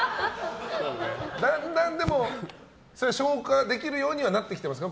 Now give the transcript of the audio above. だんだん、昇華できるようにはなってきていますか